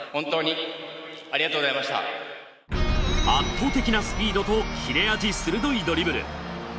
圧倒的なスピードとキレ味鋭いドリブル。